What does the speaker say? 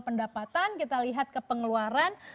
pendapatan kita lihat ke pengeluaran